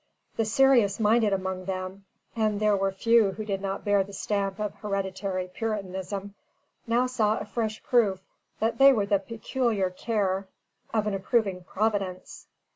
The serious minded among them and there were few who did not bear the stamp of hereditary Puritanism now saw a fresh proof that they were the peculiar care of an approving Providence.